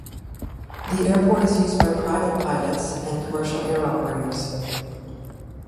The airport is used by private pilots and by commercial air operators.